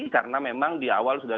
karena memang di awal sudah